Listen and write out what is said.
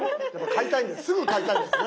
すぐ買いたいんですね。